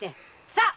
さあ！